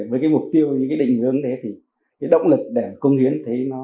ở mọi quốc gia